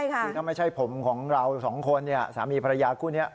ถ้าไม่ใช่ผมสองคนสามีภรรยากู้นี้